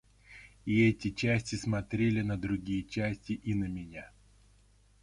И эти части смотрели на другие части и на меня.